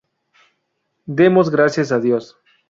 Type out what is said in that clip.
Demos gracias a Dios".